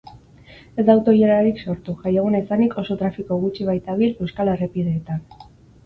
Ez da auto-ilararik sortu, jaieguna izanik oso trafiko gutxi baitabil euskal errepideetan.